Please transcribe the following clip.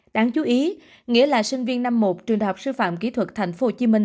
đáng chú ý nghĩa là sinh viên năm một trường đạo sư phạm kỹ thuật thành phố hồ chí minh